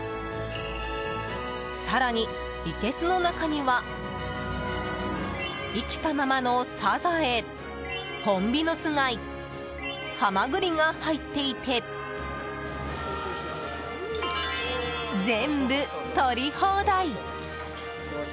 更に、いけすの中には生きたままのサザエ、ホンビノス貝ハマグリが入っていて全部、取り放題。